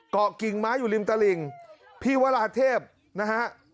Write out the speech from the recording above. เกาะกิ่งม้าอยู่ริมตะหลิงพี่วราธิตรนะฮะ